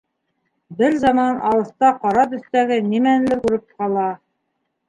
Бер заман алыҫта ҡара төҫтәге нимәнелер күреп ҡала.